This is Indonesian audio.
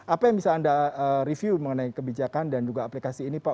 apa yang bisa anda review mengenai kebijakan dan juga aplikasi ini pak